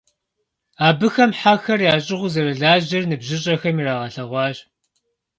Абыхэм хьэхэр ящӀыгъуу зэрылажьэр ныбжьыщӀэхэм ирагъэлъэгъуащ.